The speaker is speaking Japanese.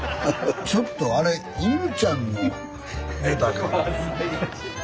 ちょっとあれ犬ちゃんのネタか。